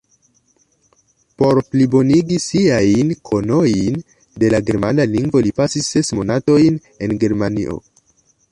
Por plibonigi siajn konojn de la germana lingvo li pasis ses monatojn en Germanio.